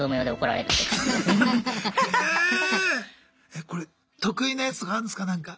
えこれ得意なやつとかあるんですかなんか。